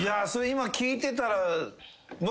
今聞いてたら。